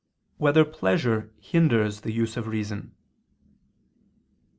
3] Whether Pleasure Hinders the Use of Reason?